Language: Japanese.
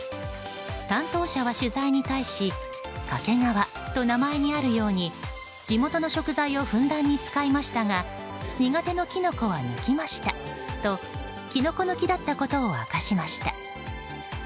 担当者は取材に対し掛川と名前にあるように地元の食材をふんだんに使いましたが苦手のキノコは抜きましたとキノコ抜きだったことを明かしました。